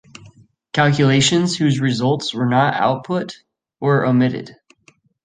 Calculations whose results were not output were omitted.